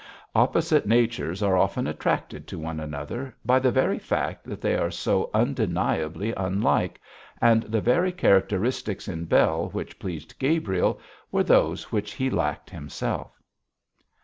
Opposite natures are often attracted to one another by the very fact that they are so undeniably unlike, and the very characteristics in Bell which pleased Gabriel were those which he lacked himself.